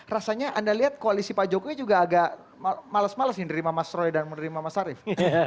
rasanya anda lihat koalisi pak jokowi juga agak males males yang menerima mas roy dan menerima mas arief